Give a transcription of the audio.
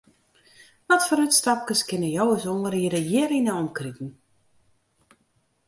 Watfoar útstapkes kinne jo ús oanriede hjir yn 'e omkriten?